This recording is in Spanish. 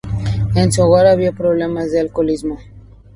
En su hogar había problemas de alcoholismo.